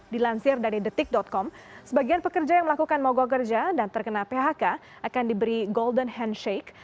dilansir dari detik com sebagian pekerja yang melakukan mogok kerja dan terkena phk akan diberi golden handshake